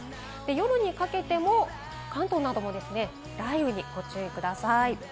夜にかけても関東なども雷雨にご注意ください。